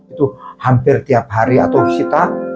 itu hampir tiap hari atau visita